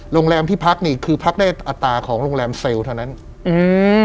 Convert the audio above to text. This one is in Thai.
โรงแรมที่พักนี่คือพักได้อัตราของโรงแรมเซลล์เท่านั้นอืม